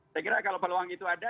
saya kira kalau peluang itu ada